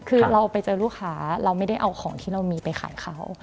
คือเราไปเจอลูกค้าเราไม่ได้เอาของที่เรามีไปขายเขา